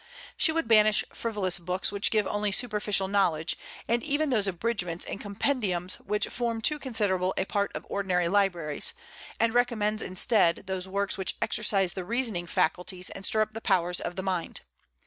She would banish frivolous books which give only superficial knowledge, and even those abridgments and compendiums which form too considerable a part of ordinary libraries, and recommends instead those works which exercise the reasoning faculties and stir up the powers of the mind.